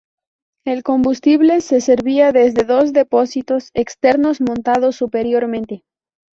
El combustible se servía desde dos depósitos externos montados superiormente.